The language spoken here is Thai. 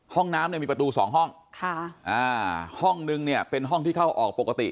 ห้องน้ำเนี่ยมีประตูสองห้องค่ะอ่าห้องนึงเนี่ยเป็นห้องที่เข้าออกปกติ